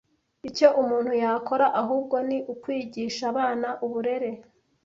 Icyo umuntu yakora ahubwo ni ukwigisha abana uburere